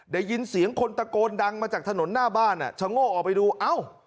ได้ยินเสียงคนตะโกนดังมาจากถนนหน้าบ้านอ่ะชะโง่ออกไปดูเอ้า